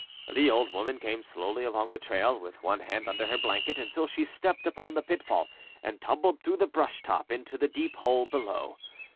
The old woman came slowly along the trail, with one hand under her blanket, until she stepped upon the pitfall and tumbled through the brush top into the deep hole below.